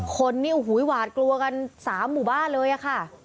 คนนี้หวาดกลวกัน๓หมู่บ้านเลยค่ะ